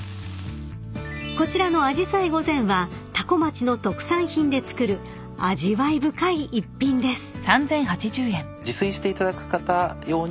［こちらの紫陽花御膳は多古町の特産品で作る味わい深い一品です］